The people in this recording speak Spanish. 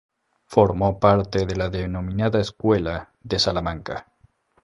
Formó parte de la denominada escuela de Salamanca.